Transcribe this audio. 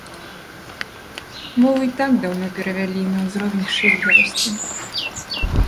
Мову і так даўно перавялі на ўзровень шыльдавасці.